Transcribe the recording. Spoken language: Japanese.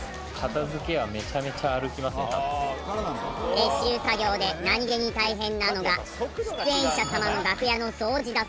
撤収作業で何げに大変なのが出演者様の楽屋の掃除だそうです。